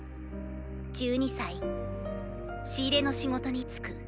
１２歳仕入れの仕事に就く。